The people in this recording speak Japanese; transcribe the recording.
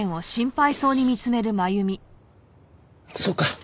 そうか。